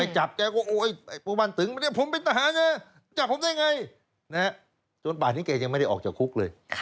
จนป่านที่ดีกว่าแกไม่ได้ออกจากคุกเลย